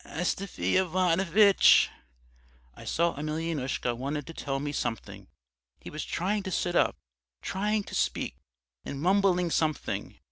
"'Astafy Ivanovitch ' "I saw Emelyanoushka wanted to tell me something; he was trying to sit up, trying to speak, and mumbling something.